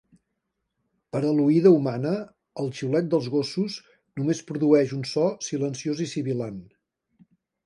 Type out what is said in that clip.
Per a l'oïda humana, el xiulet dels gossos només produeix un so silenciós i sibilant.